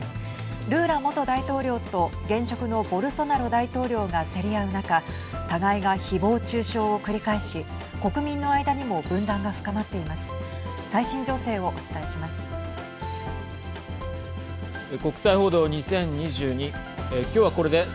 ルーラ元大統領と現職のボルソナロ大統領が競り合う中互いが、ひぼう中傷を繰り返し国民の間にも分断が深まっています。